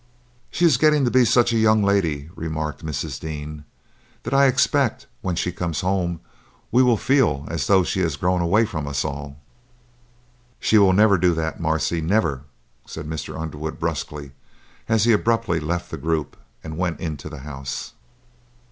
"She is getting to be such a young lady," remarked Mrs. Dean, "that I expect when she comes home we will feel as though she had grown away from us all." "She will never do that, Marcia, never!" said Mr. Underwood, brusquely, as he abruptly left the group and went into the house.